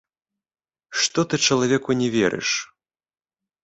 Што ты чалавеку не верыш?